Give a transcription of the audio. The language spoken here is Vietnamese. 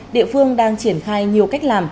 địa phương đang triển khai nhiều cách làm